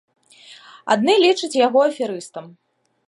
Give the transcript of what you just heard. Адны лічаць яго аферыстам.